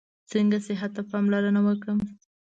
څنګه صحت ته پاملرنه وکړم؟